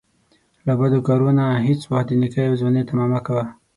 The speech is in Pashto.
له بدکارو نه هیڅ وخت د نیکۍ او ځوانۍ طمعه مه کوه